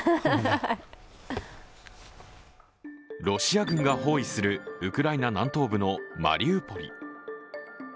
ロシア軍が包囲するウクライナ南東部のマリウポリ。